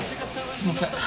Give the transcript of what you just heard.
すみません。